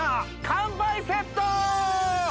乾杯セット！